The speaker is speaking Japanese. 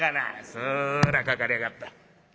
「そらかかりやがった。